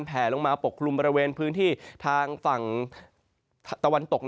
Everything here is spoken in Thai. แผลลงมาปกคลุมบริเวณพื้นที่ทางฝั่งตะวันตก